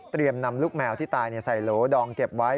เตรียมนำลูกแมวที่ตายในใส่โหลดองเก็บไว้